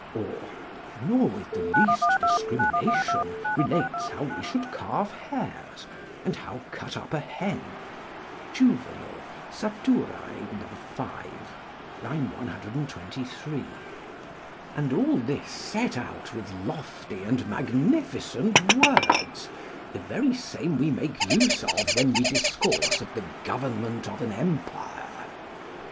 or, ("Nor with the least discrimination relates how we should carve hares, and how cut up a hen.)" Juvenal, Sat., v. 123.] and all this set out with lofty and magnificent words, the very same we make use of when we discourse of the government of an empire.